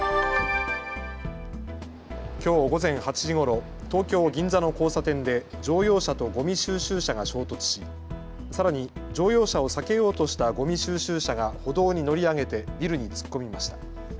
きょう午前８時ごろ東京銀座の交差点で乗用車とごみ収集車が衝突し、さらに乗用車を避けようとしたごみ収集車が歩道に乗り上げてビルに突っ込みました。